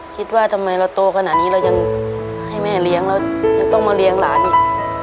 คิดว่าทำไมเราโตขนาดนี้เรายังให้แม่เลี้ยงเรายังต้องมาเลี้ยงหลานอีก